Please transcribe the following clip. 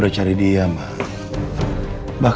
saya yakin dia masih hidup kok